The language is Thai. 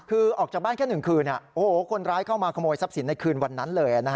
คือออกจากบ้านแค่๑คืนคนร้ายเข้ามาขโมยทรัพย์สินในคืนวันนั้นเลย